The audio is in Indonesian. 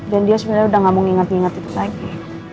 dan dia sebenarnya udah gak mau nginget nginget itu lagi